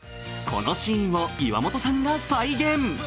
このシーンを岩本さんが再現。